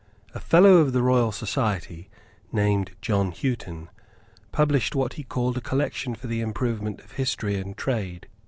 A fellow of the Royal Society, named John Houghton, published what he called a Collection for the Improvement of Industry and Trade.